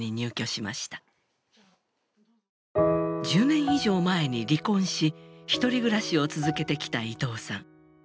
１０年以上前に離婚し一人暮らしを続けてきた伊藤さん。